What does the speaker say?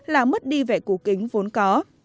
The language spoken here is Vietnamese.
là mất đi vẻ cú kính vốn có